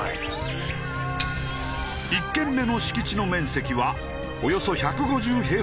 １軒目の敷地の面積はおよそ１５０平方メートル。